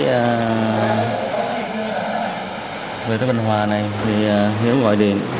sau khi về tới bình hòa này thì hiếu gọi điện